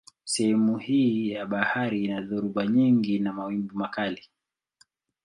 Sehemu hii ya bahari ina dhoruba nyingi na mawimbi makali.